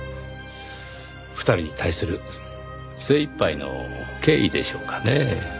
２人に対する精いっぱいの敬意でしょうかねぇ。